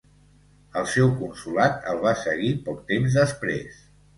El seu consolat el va seguir poc temps després.